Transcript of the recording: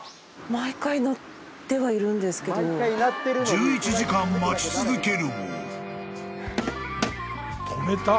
［１１時間待ち続けるも］